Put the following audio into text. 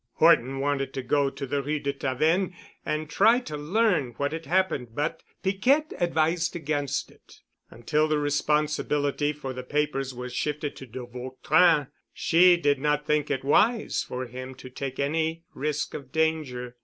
Horton wanted to go to the Rue de Tavennes and try to learn what had happened, but Piquette advised against it. Until the responsibility for the papers was shifted to de Vautrin, she did not think it wise for him to take any risk of danger.